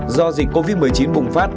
do dịch covid một mươi chín bùng phát